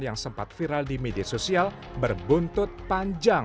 yang sempat viral di media sosial berbuntut panjang